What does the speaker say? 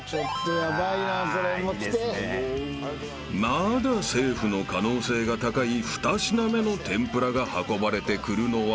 ［まだセーフの可能性が高い２品目の天ぷらが運ばれてくるのは］